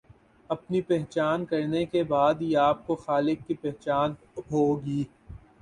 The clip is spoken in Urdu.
اپنی پہچان کرنے کے بعد ہی آپ کو خالق کی پہچان ہوگی۔